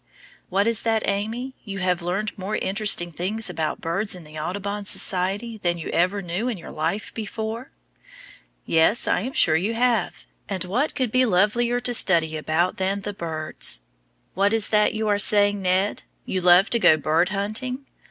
What is that, Amy? You have learned more interesting things about birds in the Audubon Society than you ever knew in your life before? Yes, I am sure you have, and what could be lovelier to study about than the birds. What is that you are saying, Ned? You love to go bird hunting?